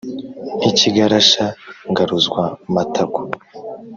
nk ' ikigarasha ngaruzwamatako !".